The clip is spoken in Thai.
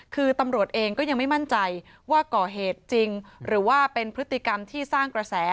คือตำรวจเองก็ยังไม่มั่นใจว่าก่อเหตุจริงหรือว่าเป็นพฤติกรรมที่สร้างกระแส